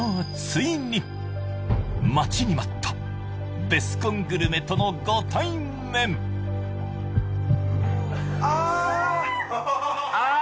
ついに待ちに待ったベスコングルメとのご対面あ！